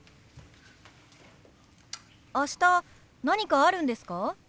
明日何かあるんですか？